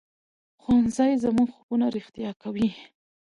ښوونځی زموږ خوبونه رښتیا کوي